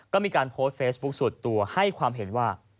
ก็มีการโพสต์เฟซบุ๊คส่วนตัวให้ความเห็นว่า